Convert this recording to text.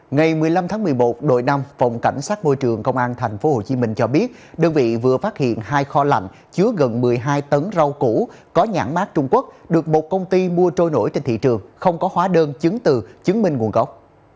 ngày một mươi năm tháng một mươi một đội năm phòng cảnh sát môi trường công an tp hcm cho biết đơn vị vừa phát hiện hai kho lạnh chứa gần một mươi hai tấn rau củ có nhãn mát trung quốc được một công ty mua trôi nổi trên thị trường không có hóa đơn chứng từ chứng minh nguồn gốc